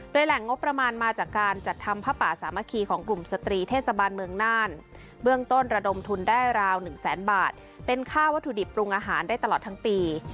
แหล่งงบประมาณมาจากการจัดทำผ้าป่าสามัคคีของกลุ่มสตรีเทศบาลเมืองน่านเบื้องต้นระดมทุนได้ราว๑แสนบาทเป็นค่าวัตถุดิบปรุงอาหารได้ตลอดทั้งปี